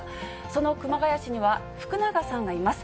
その熊谷市には、福永さんがいます。